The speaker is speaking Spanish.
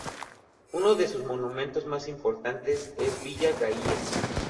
Uno de sus monumentos más importantes es Villa Gaia.